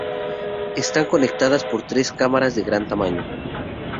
Están conectadas por tres cámaras de gran tamaño.